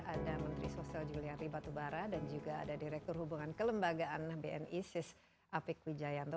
ada menteri sosial juliari batubara dan juga ada direktur hubungan kelembagaan bni sis apik wijayanto